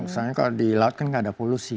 soalnya kalau di laut kan gak ada polusi